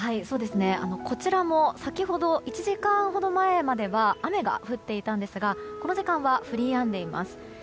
こちらも先ほど、１時間ほど前までは雨が降っていたんですがこの時間は降りやんでいます。